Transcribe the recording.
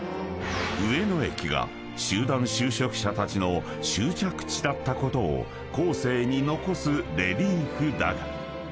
［上野駅が集団就職者たちの終着地だったことを後世に残すレリーフだが］